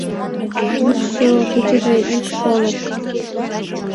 Йӱдшӧ-кечыже ик шоныш —